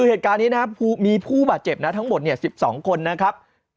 เหตุการณ์นี้นะครับมีผู้บาดเจ็บนะทั้งหมด๑๒คนนะครับ